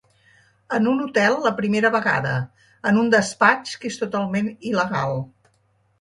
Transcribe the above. En un hotel la primera vegada, en un despatx que és totalment il·legal.